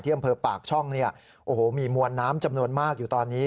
อำเภอปากช่องเนี่ยโอ้โหมีมวลน้ำจำนวนมากอยู่ตอนนี้